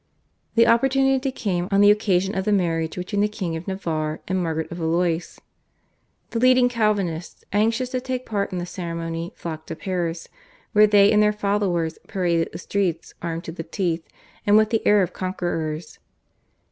The opportunity came on the occasion of the marriage between the King of Navarre and Margaret of Valois. The leading Calvinists anxious to take part in the ceremony flocked to Paris, where they and their followers paraded the streets armed to the teeth and with the air of conquerors.